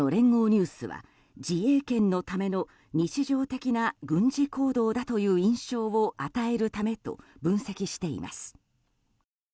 ニュースは自衛権のための日常的な軍事行動だという印象を与えるためと分析しています。